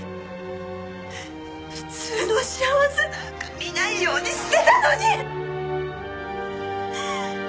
普通の幸せなんか見ないようにしてたのに！